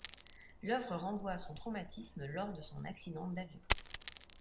L’œuvre renvoie à son traumatisme lors de son accident d'avion.